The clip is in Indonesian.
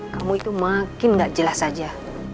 kamu itu makin gak jelas saja